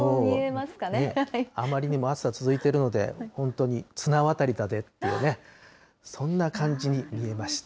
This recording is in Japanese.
あまりにも暑さ続いてるので、本当に、綱渡りだぜっていう、そんな感じに見えました。